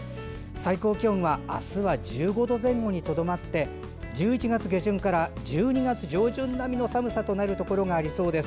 最高気温はあすは１５度前後にとどまって１１月下旬から１２月上旬並みの寒さとなるところがありそうです。